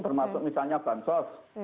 termasuk misalnya bansos